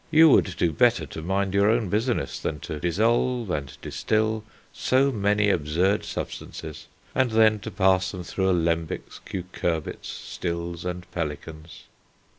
You would do better to mind your own business, than to dissolve and distil so many absurd substances, and then to pass them through alembics, cucurbits, stills, and pelicans."